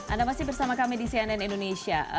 anda masih bersama kami di cnn indonesia